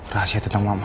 rahasia tentang mama